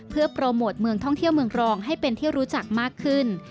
เพื่อโปรโมทเมืองท่องเที่ยวเมืองรองให้เป็นที่รู้จักมากขึ้น